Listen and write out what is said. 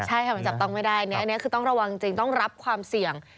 ใช่ค่ะมันจับต้องไม่ได้อันนี้คือต้องระวังจริงต้องรับความเสี่ยง